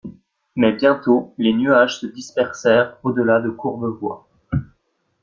Mais bientôt les nuages se dispersèrent au delà de Courbevoie.